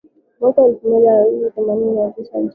Mwaka wa elfu moja mia tisa themanini na sita nchini Mexico